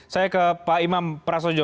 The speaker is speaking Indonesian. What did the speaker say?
saya ke pak imam prasojo